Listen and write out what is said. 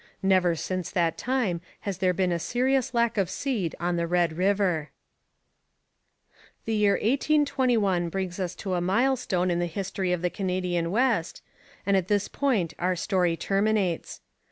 Never since that time has there been a serious lack of seed on the Red River. The year 1821 brings us to a milestone in the history of the Canadian West, and at this point our story terminates.